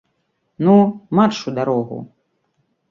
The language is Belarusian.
Ну, марш у дарогу!